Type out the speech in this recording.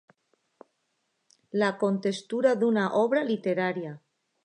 La contextura d'una obra literària.